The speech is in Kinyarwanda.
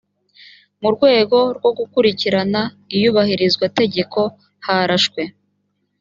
mu rwego rwo gukurikirana iyubahirizwa tegeko harashwe